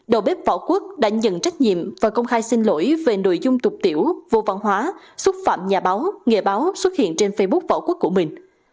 đầu bếp võ quốc đã nhận trách nhiệm và công khai xin lỗi về nội dung tục tiểu vô văn hóa xúc phạm nhà báo nghề báo xuất hiện trên facebook võ quốc của mình